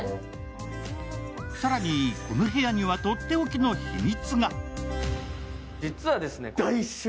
更にこの部屋にはとっておきの秘密が。